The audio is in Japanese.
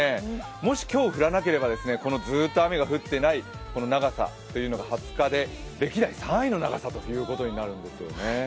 もし今日降らなければ、ずっと雨が降っていない長さというのが２０日で歴代３位の長さということになるんですよね。